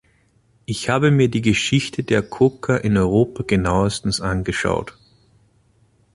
Ich habe mir die Geschichte der Koka in Europa genauestens angeschaut.